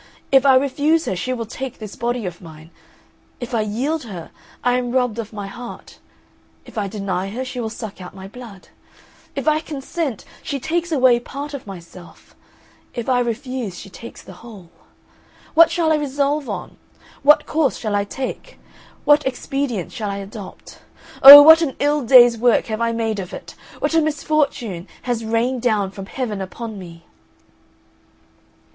If I refuse her, she will take this body of mine. If I yield her, I am robbed of my heart; if I deny her she will suck out my blood. If I consent, she takes away part of myself; if I refuse, she takes the whole. What shall I resolve on? What course shall I take? What expedient shall I adopt? Oh, what an ill day's work have I made of it! What a misfortune has rained down from heaven upon me!"